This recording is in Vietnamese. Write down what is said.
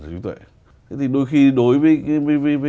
chủ trí tuệ thế thì đôi khi đối với